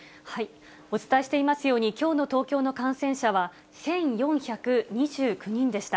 お伝えしていますように、きょうの東京の感染者は、１４２９人でした。